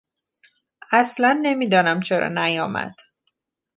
اصلا نمیدانم چرا نیامد.